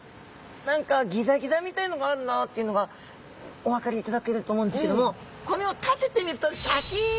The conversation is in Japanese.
何かギザギザみたいのがあるなっていうのがお分かりいただけると思うんですけどもこれを立ててみるとシャキーン！